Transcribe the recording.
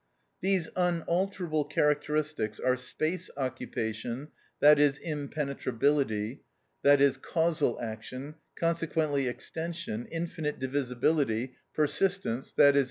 These unalterable characteristics are space occupation, i.e., impenetrability, i.e., causal action, consequently, extension, infinite divisibility, persistence, _i.e.